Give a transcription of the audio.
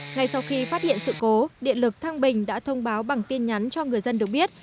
ngay sau khi phát hiện sự cố điện lực thăng bình đã thông báo bằng tin nhắn cho người dân được biết